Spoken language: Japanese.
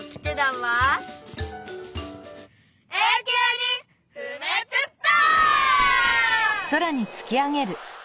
えいきゅうにふめつだ！